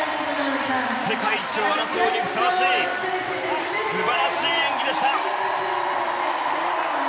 世界一を争うにふさわしい素晴らしい演技でした。